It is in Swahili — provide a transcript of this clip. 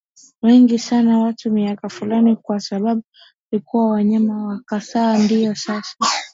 wengi sana watu miaka Fulani kwa sababu walikula nyama ya kasa Ndio sasa